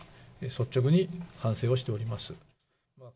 率直に反省をしております。